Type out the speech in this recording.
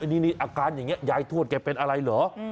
นี่นี่อาการอย่างเงี้ยยายทวดแกเป็นอะไรเหรออืม